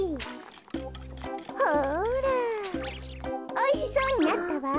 おいしそうになったわ。